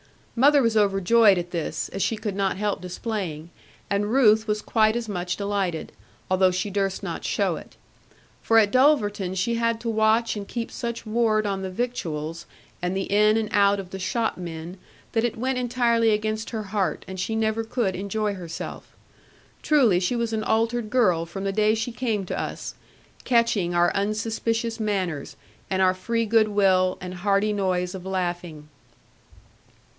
Mother was overjoyed at this, as she could not help displaying; and Ruth was quite as much delighted, although she durst not show it. For at Dulverton she had to watch and keep such ward on the victuals, and the in and out of the shopmen, that it went entirely against her heart, and she never could enjoy herself. Truly she was an altered girl from the day she came to us; catching our unsuspicious manners, and our free goodwill, and hearty noise of laughing.